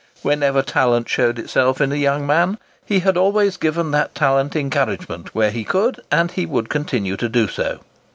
Whenever talent showed itself in a young man he had always given that talent encouragement where he could, and he would continue to do so."